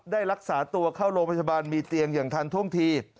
รักษาตัวเข้าโรงพยาบาลมีเตียงอย่างทันท่วงที